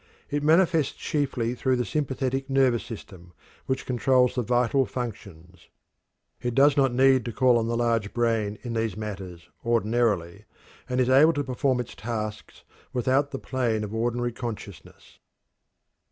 It manifests chiefly through the sympathetic nervous system which controls the vital functions. It does not need to call on the large brain in these matters, ordinarily, and is able to perform its tasks without the plane of ordinary consciousness.